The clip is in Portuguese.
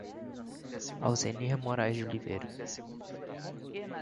Auzenir Morais de Oliveira